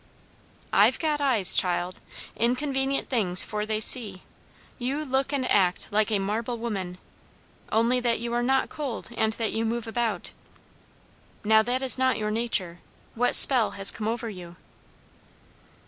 "I've got eyes, child; inconvenient things, for they see. You look and act like a marble woman; only that you are not cold, and that you move about. Now, that isn't your nature. What spell has come over you?"